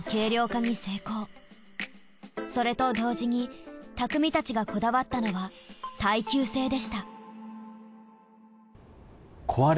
それと同時に匠たちがこだわったのは耐久性でした。